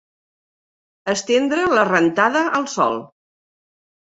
Estendre la rentada al sol.